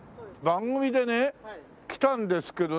番組でね来たんですけど。